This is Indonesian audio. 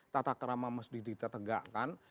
tata kerama mesti ditetegakkan